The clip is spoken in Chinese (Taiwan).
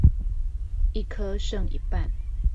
一顆剩一半